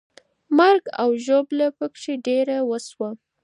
مرګ او ژوبله پکې ډېره وسوه.